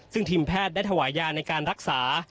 ซึ่งทีมแพทย์ได้ถวายยาในการรักษา